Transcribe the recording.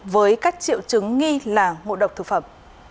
với các triệu chứng nghi là ngộ độc thực phẩm